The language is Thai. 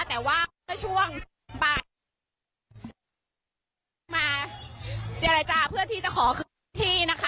แต่ว่าเมื่อช่วงบ่ายมาเจรจาเพื่อที่จะขอคืนที่นะคะ